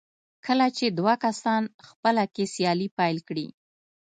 کله چې دوه کسان خپله کې سیالي پيل کړي.